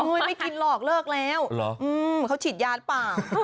อุ้ยไม่กินหลอกเลิกแล้วเขาฉีดยาติป่ะ